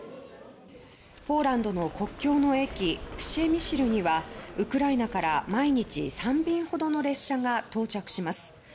ポーランドの国境の駅プシェミシルにはウクライナから毎日３便ほどの列車が到着します。